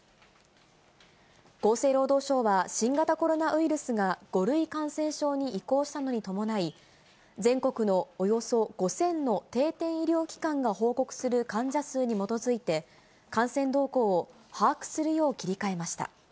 厚生労働省は新型コロナウイルスが、５類感染症に移行したのに伴い、全国のおよそ５０００の定点医療機関が報告する患者数に基づいて、感染動向を把握するよう切り替えました。